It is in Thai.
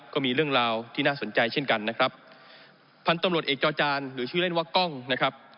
ก็มีเรื่องราวที่น่าสนใจเช่นกันนะครับพันธุ์ตำรวจเอกจอจานหรือชื่อเล่นว่ากล้องนะครับ